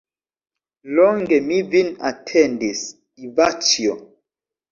Longe mi vin atendis, Ivaĉjo!